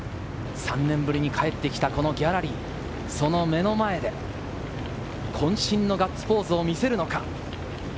３年ぶりに帰ってきたこのギャラリー、その目の前でこん身のガッツポーズを見せるのか？